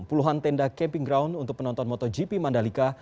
puluhan tenda camping ground untuk penonton motogp mandalika